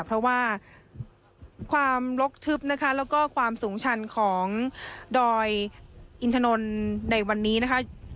เพราะว่าความลกทึบนะคะแล้วก็ความสูงชันของดอยอินถนนในวันนี้นะคะ